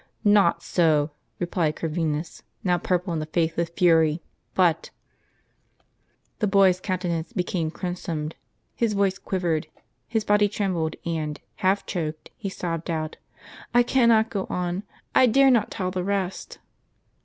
'Not so,' rei:)lied Corvinus, now purple in the face with fury ;' but '"— The boy's countenance became crimsoned, his voice quiv ered, his body trembled, and, half choked, he sobbed out, " I cannot go on; I dare not tell the rest